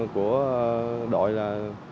của đội là